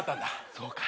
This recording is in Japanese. そうか。